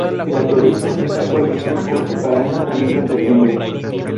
La producción está actualmente en curso para un lanzamiento en septiembre.